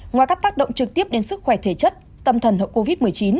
ngoài các tác động trực tiếp đến sức khỏe thể chất tâm thần hậu covid một mươi chín